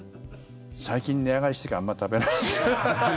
最近、値上がりしてからあまり食べない。